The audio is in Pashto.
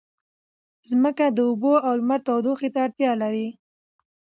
ځمکه د اوبو او لمر تودوخې ته اړتیا لري.